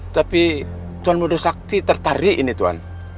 tapi tuan modus sakti tertarik ini tuan